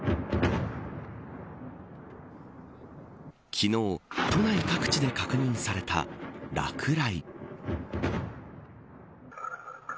昨日都内各地で確認された落雷。